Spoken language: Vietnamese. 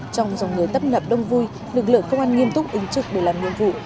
trong dòng người tấp nập đông vui lực lượng công an nghiêm túc ứng trực để làm nhiệm vụ